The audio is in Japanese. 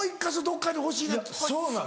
どっかに欲しいな。